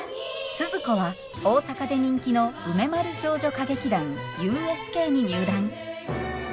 スズ子は大阪で人気の梅丸少女歌劇団ＵＳＫに入団。